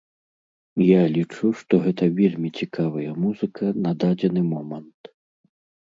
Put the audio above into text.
Я лічу, што гэта вельмі цікавая музыка на дадзены момант.